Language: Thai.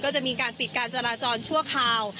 ก็จะมีการปิดการจราจรชั่วคราว